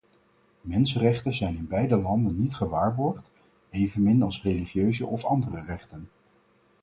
Mensenrechten zijn in beide landen niet gewaarborgd, evenmin als religieuze of andere rechten.